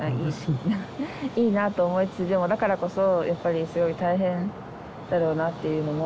いいなと思いつつでもだからこそやっぱりすごい大変だろうなっていうのも。